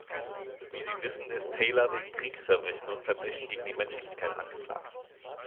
Wie Sie wissen, ist Taylor wegen Kriegsverbrechen und Verbrechen gegen die Menschlichkeit angeklagt.